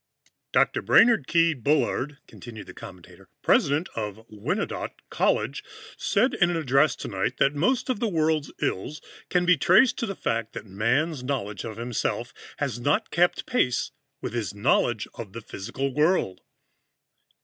"Dr. Brainard Keyes Bullard," continued the commentator, "President of Wyandotte College, said in an address tonight that most of the world's ills can be traced to the fact that Man's knowledge of himself has not kept pace with his knowledge of the physical world."